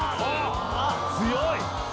強い！